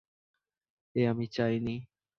এ আমি চাইনি।